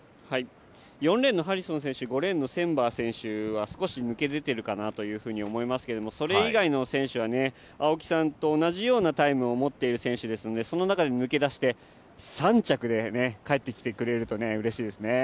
４レーンのハリソン選手、５レーンのセンバー選手は少し抜け出ているかなと思いますけれども、それ以外の選手は青木さんと同じようなタイムを持っている選手ですのでその中で抜け出して３着で帰ってきてくるとうれしいですね。